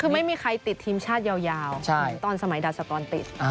คือไม่มีใครติดทีมชาติยาวเหมือนตอนสมัยดาสกรติด